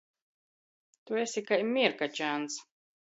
Tu esi kai mierkačāns.